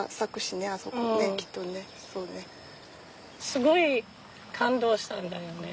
すごい感動したんだよね。